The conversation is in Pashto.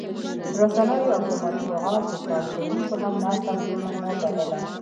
رسنیو او د مطبوعاتو کارکوونکو هم ناسته مهمه نه بلله